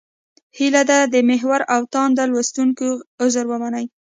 هیله ده د محور او تاند لوستونکي عذر ومني.